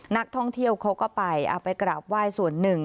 นักท่องเที่ยวเขาก็ไปเอาไปกราบไหว้ส่วนหนึ่ง